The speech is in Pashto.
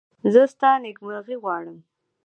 زه ستا نېکمرغي غواړم.